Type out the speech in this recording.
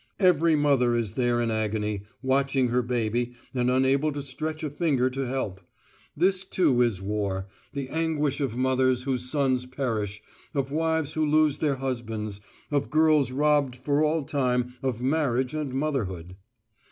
Every mother is there in agony, watching her baby, and unable to stretch a finger to help. This, too, is war the anguish of mothers whose sons perish, of wives who lose their husbands, of girls robbed for all time of marriage and motherhood.